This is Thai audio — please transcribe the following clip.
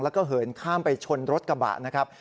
แล้วก็เหินข้ามไปชนรถกระบะนะครับ